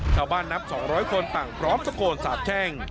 ชาวบ้านนับ๒๐๐คนต่างพร้อมสะโกนสาบแช่ง